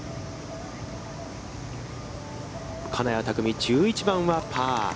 金谷拓実、１７番はパー。